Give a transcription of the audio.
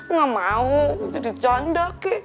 nggak mau jadi janda ke